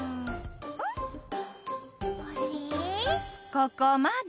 ここまで。